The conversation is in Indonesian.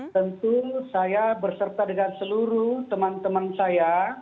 tentu saya berserta dengan seluruh teman teman saya